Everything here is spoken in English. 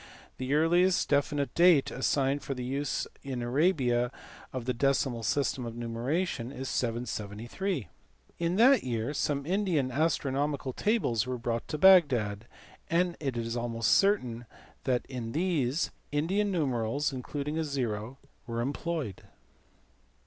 The earliest definite date assigned for the use in Arabia of the decimal system of numeration is 773. In that year some Indian astronomical tables were brought to Bagdad, and it is almost certain that in these Indian numerals (including a zero) were employed.